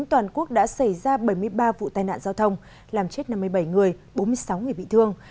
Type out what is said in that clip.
toàn quốc đã xảy ra bảy mươi ba vụ tai nạn giao thông làm chết năm mươi bảy người bốn mươi sáu người bị thương